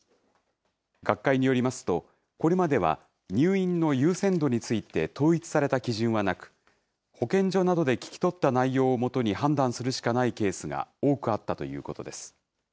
学会によりますと、これまでは入院の優先度について統一された基準はなく、保健所などで聞き取った内容をもとに判断するしかないケースが多くあったということです。